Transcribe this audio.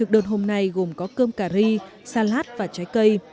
đây gồm có cơm cà ri salad và trái cây